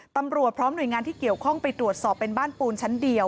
ตำรวจพร้อมหน่วยงานที่เกี่ยวข้องไปตรวจสอบเป็นบ้านปูนชั้นเดียว